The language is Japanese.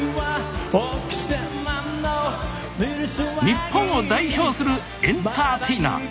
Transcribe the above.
日本を代表するエンターテイナー。